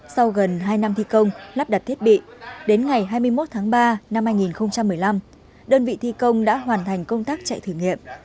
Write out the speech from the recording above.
sau gần hai năm thi công lắp đặt thiết bị đến ngày hai mươi một tháng ba năm hai nghìn một mươi năm đơn vị thi công đã hoàn thành công tác chạy thử nghiệm